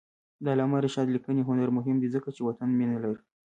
د علامه رشاد لیکنی هنر مهم دی ځکه چې وطن مینه لري.